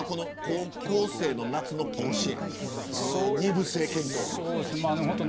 高校生の夏の甲子園２部制検討。